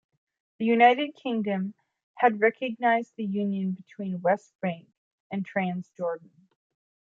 The United Kingdom had recognized the union between the West Bank and Transjordan.